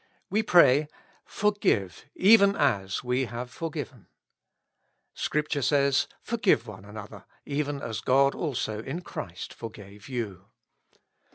We pray, "Forgive, even as we have forgiven." Scripture says, " Forgive one another, even as God also in Christ forgave you."